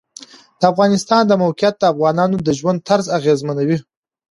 د افغانستان د موقعیت د افغانانو د ژوند طرز اغېزمنوي.